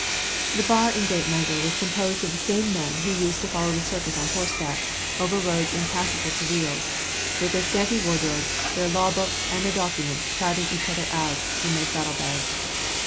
The bar in great measure was composed of the same men who used to follow the circuit on horseback, over roads impassable to wheels, with their scanty wardrobes, their law books, and their documents crowding each other in their saddle bags.